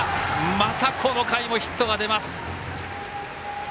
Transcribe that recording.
また、この回もヒットが出ます。